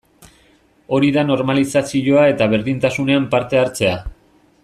Hori da normalizazioa eta berdintasunean parte hartzea.